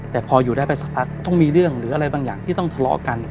แต่พออยู่ได้ไปสักพักต้องมีเรื่องหรืออะไรบางอย่างที่ต้องทะเลาะกัน